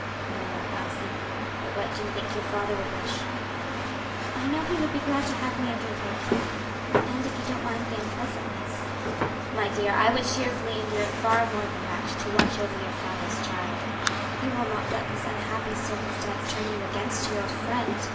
"No, Elsie; but what do you think your father would wish?" "I know he would be glad to have me under your care, and if you don't mind the unpleasantness." "My dear, I would cheerfully endure far more than that, to watch over your father's child. You will not let this unhappy circumstance turn you against your old friend?